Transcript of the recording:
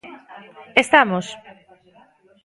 ¿Estamos?